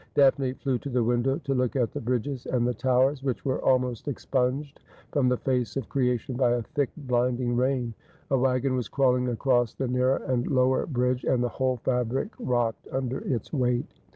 Daphne flew to the window to look at the bridges and the towers, which were almost expunged from the face of creation by a thick blinding rain. A waggon was crawling across the nearer and lower bridge, and the whole fabric rocked under its weight.